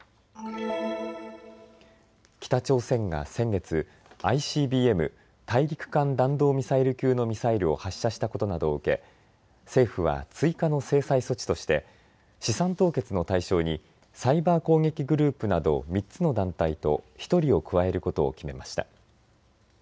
北朝鮮が先月、ＩＣＢＭ・大陸間弾道ミサイル級のミサイルを発射したことなどを受け政府は追加の制裁措置として資産凍結の対象にサイバー攻撃グループなど３つの団体と１人を加えることを決めました。